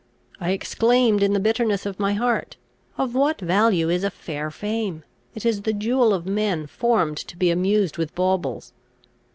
I exclaimed, in the bitterness of my heart, "Of what value is a fair fame? It is the jewel of men formed to be amused with baubles.